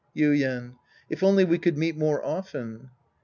Yuien. If only we could meet more often